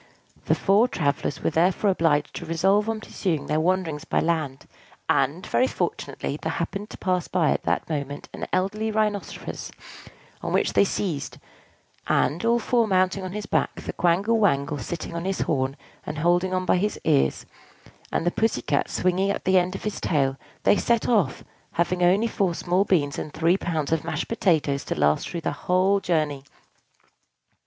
The four travellers were therefore obliged to resolve on pursuing their wanderings by land: and, very fortunately, there happened to pass by at that moment an elderly Rhinoceros, on which they seized; and, all four mounting on his back, the Quangle Wangle sitting on his horn, and holding on by his ears, and the Pussy Cat swinging at the end of his tail, they set off, having only four small beans and three pounds of mashed potatoes to last through their whole journey.